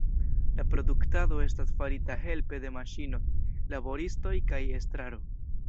La produktado estas farita helpe de maŝinoj, laboristoj kaj estraro.